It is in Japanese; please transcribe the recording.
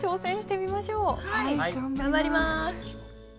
頑張ります！